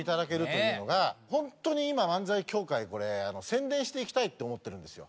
本当に今漫才協会これ宣伝していきたいって思ってるんですよ。